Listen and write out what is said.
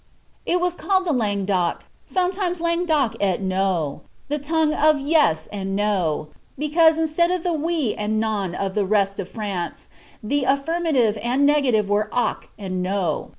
It was called the langue cToCy sometimes langue d^oc et noj the tongue of ^^yes" and ^00,^ because, instead of the ^^oiii" and ^^non'' of the rest of France, the affirmative and negative were ^^oc" and '^ no."